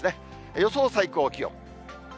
予想最高気温。